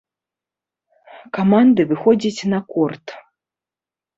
Каманды выходзяць на корт.